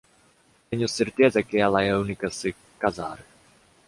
Tenho certeza que ela é a única a se casar.